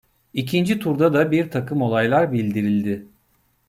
İkinci turda da bir takım olaylar bildirildi.